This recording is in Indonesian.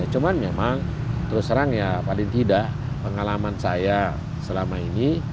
cuma memang terus terang ya paling tidak pengalaman saya selama ini